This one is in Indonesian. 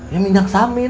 ya minyak samin